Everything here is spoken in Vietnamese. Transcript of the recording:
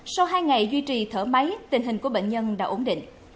sau hai ngày duy trì thở máy tình hình của bệnh nhân đã ổn định